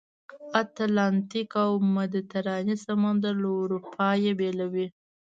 اتلانتیک او مدیترانې سمندر له اروپا یې بېلوي.